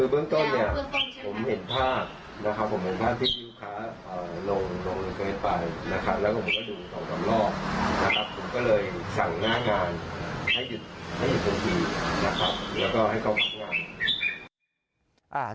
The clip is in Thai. ผมก็เลยสั่งหน้างานให้หยุดตรงนี้แล้วก็ให้เขามาทำงาน